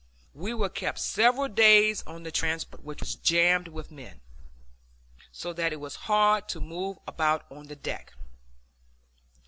We were kept several days on the transport, which was jammed with men, so that it was hard to move about on the deck.